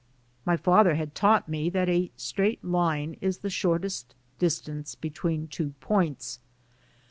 My father had taught me that a straight line is the shortest distance be tween two points.